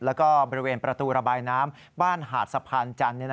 แล้วก็บริเวณประตูระบายน้ำบ้านหาดสะพานจันทร์